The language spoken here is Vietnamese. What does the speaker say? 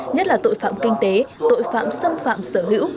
nhất là tội phạm kinh tế tội phạm xâm phạm sở hữu